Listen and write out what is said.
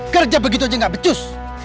kerja begitu aja gak becus